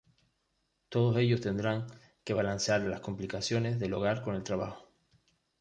Todos ellos tendrán que balancear las complicaciones del hogar con el trabajo.